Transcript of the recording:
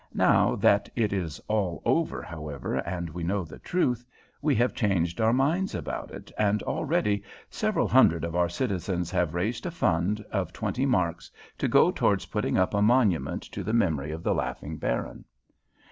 Now that it is all over, however, and we know the truth, we have changed our minds about it, and already several hundred of our citizens have raised a fund of twenty marks to go towards putting up a monument to the memory of the Laughing Baron.